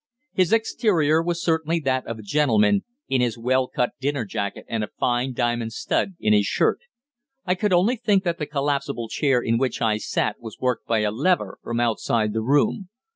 His exterior was certainly that of a gentleman, in his well cut dinner jacket and a fine diamond stud in his shirt. I could only think that the collapsible chair in which I sat was worked by a lever from outside the room.